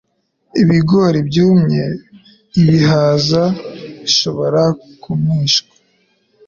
ibigori byumye. Ibihaza bishobora kumishwa,